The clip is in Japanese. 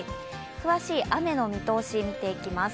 詳しい雨の見通し見ていきます。